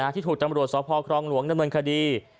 ที่ถูกตำรวจสพครองหลวงดำเนินคดี